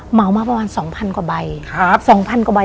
เหมามาประมาณ๒๐๐๐กว่าใบ